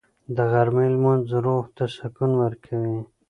د غرمې لمونځ روح ته سکون ورکوي